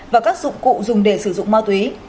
và các dụng cụ dùng để sử dụng ma túy